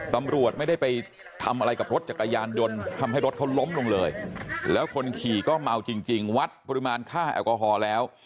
ตำรวจไม่ได้ไปทำอะไรกับรถจักรยานยนต์ทำให้รถเขาล้มลงเลยแล้วคนขี่ก็เมาจริงวัดปริมาณค่าแอลกอฮอล์แล้ว